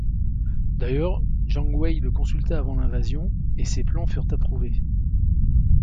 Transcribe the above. D’ailleurs, Jiang Wei le consulta avant l’invasion et ses plans furent approuvés.